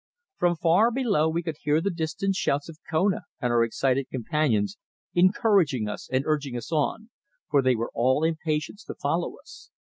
From far below we could hear the distant shouts of Kona and our excited companions encouraging us and urging us on, for they were all impatience to follow us.